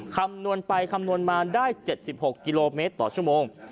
คำนวณไปคำนวณมาได้๗๖กิโลเมตรต่อชั่วโมง